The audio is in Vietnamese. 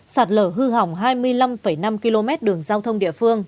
sạt lở hư hỏng hai mươi năm năm km đường giao thông địa phương